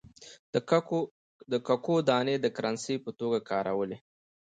د ککو دانې د کرنسۍ په توګه کارولې.